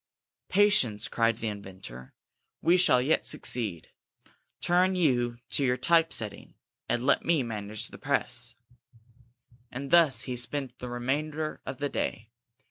"Patience!" cried the inventor, "we shall yet succeed. Turn you to your type setting, and let me manage the press;" and thus he spent the remainder of the day.